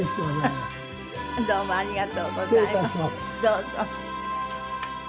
どうぞ。